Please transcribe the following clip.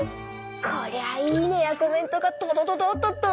こりゃ「いいね」や「コメント」がドドドドーッとど